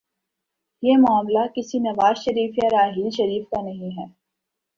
یہ معاملہ کسی نواز شریف یا راحیل شریف کا نہیں ہے۔